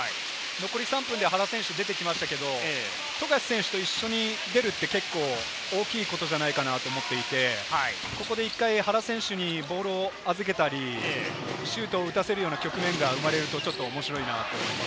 残り３分で原選手、出てきましたけど、富樫選手と一緒に出るって結構、大きいことじゃないかなって思っていて、ここで１回、原選手にボールを預けたり、シュートを打たせるような局面が生まれると、ちょっと面白いなと思います。